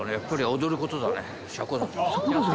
踊ることだね。